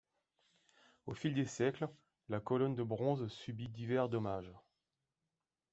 Au fil des siècles, la colonne de bronze subit divers dommages.